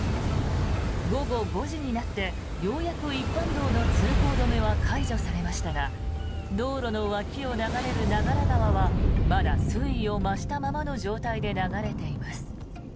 午後５時になってようやく一般道の通行止めは解除されましたが道路の脇を流れる長良川はまだ水位を増したままの状態で流れています。